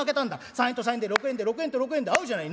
３円と３円で６円で６円と６円で合うじゃない。